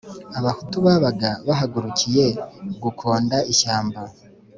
abahutu babaga bahagurukiye gukonda ishyamba